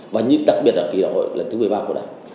và đặc biệt là kỳ đại hội lần thứ một mươi ba của đảng